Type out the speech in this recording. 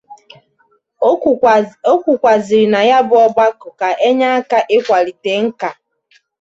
O kwukwazịrị na ya bụ ọgbakọ ga-enye aka ịkwalite nkà